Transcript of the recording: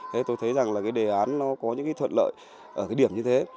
thế tôi thấy rằng là cái đề án nó có những cái thuận lợi ở cái điểm như thế